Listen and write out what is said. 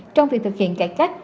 trong việc thực hiện cải cách